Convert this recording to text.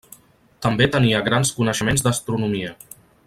També tenia grans coneixements d'astronomia.